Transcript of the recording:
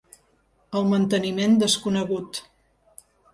El manteniment desconegut.